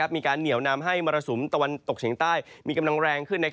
มีการเหนียวนำให้มรสุมตะวันตกเฉียงใต้มีกำลังแรงขึ้น